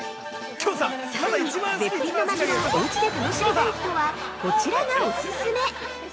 ◆さらに、絶品のマグロをおうちで楽しみたい人はこちらがオススメ！